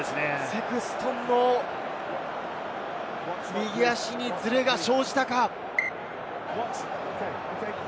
セクストンの右足にずれが生じたか？